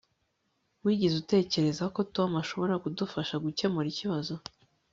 wigeze utekereza ko tom ashobora kudufasha gukemura ikibazo